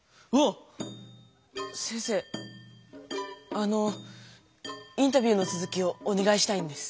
あのインタビューのつづきをおねがいしたいんです。